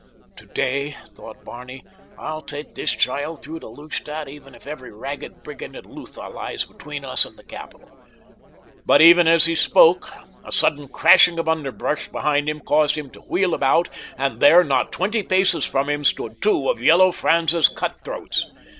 Today, thought Barney, I'll take this child through to Lustadt even if every ragged brigand in Lutha lies between us and the capital; but even as he spoke a sudden crashing of underbrush behind caused him to wheel about, and there, not twenty paces from them, stood two of Yellow Franz's cutthroats.